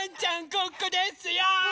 ここですよ！